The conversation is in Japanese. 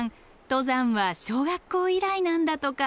登山は小学校以来なんだとか。